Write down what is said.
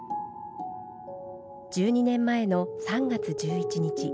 １２年前の３月１１日。